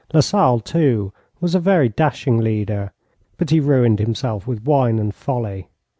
Lasalle, too, was a very dashing leader, but he ruined himself with wine and folly.